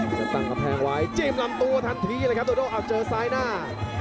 พยายามตั้งกำแพงไว้จิ้มลำตัวทันทีเลยครับโดโดอ้าวเจอซ้ายหน้า